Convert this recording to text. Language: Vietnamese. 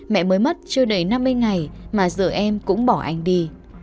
mẹ mới mất chưa đầy năm mươi ngày mà giờ em cũng bỏ anh đi